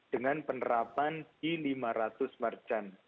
dengan penerapan di lima ratus merchant